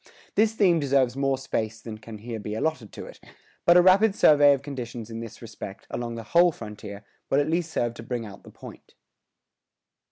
This theme deserves more space than can here be allotted to it; but a rapid survey of conditions in this respect, along the whole frontier, will at least serve to bring out the point.